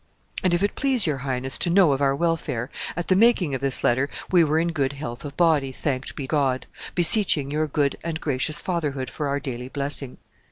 "And if it please your highness to know of our welfare, at the making of this letter we were in good health of body, thanked be God, beseeching your good and gracious fatherhood for our daily blessing.